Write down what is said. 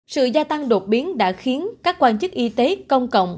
sự gia tăng đột biến đã khiến các quan chức y tế công cộng